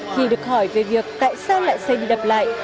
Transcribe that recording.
khi được hỏi về việc tại sao lại xây đi đập lại